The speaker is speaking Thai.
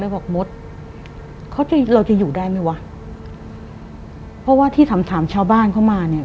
เพราะว่าที่ถามถามชาวบ้านเข้ามาเนี่ย